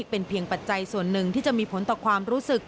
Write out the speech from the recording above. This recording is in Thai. เป็นเพียงปัจจัยส่วนหนึ่งที่จะมีผลต่อความรู้สึก